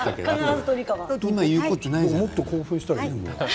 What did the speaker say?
もっと興奮したらいいじゃない。